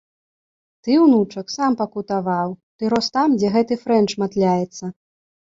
Ты, унучак, сам пакутаваў, ты рос там, дзе гэты фрэнч матляецца.